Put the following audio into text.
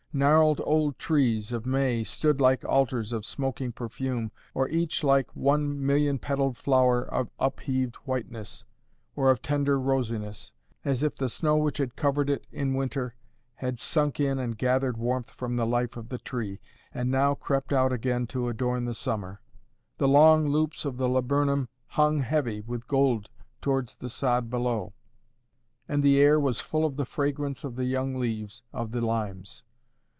Gnarled old trees of may stood like altars of smoking perfume, or each like one million petalled flower of upheaved whiteness—or of tender rosiness, as if the snow which had covered it in winter had sunk in and gathered warmth from the life of the tree, and now crept out again to adorn the summer. The long loops of the laburnum hung heavy with gold towards the sod below; and the air was full of the fragrance of the young leaves of the limes.